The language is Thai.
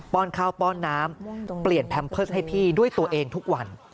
้อนข้าวป้อนน้ำเปลี่ยนแพมเพิร์สให้พี่ด้วยตัวเองทุกวัน